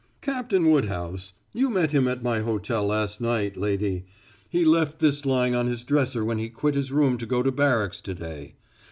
"Captain Woodhouse you met him at my hotel last night, lady. He left this lying on his dresser when he quit his room to go to barracks to day.